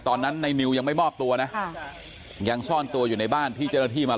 ตอนนั้นในนิวยังไม่มอบตัวนะยังซ่อนตัวอยู่ในบ้านที่เจ้าหน้าที่มา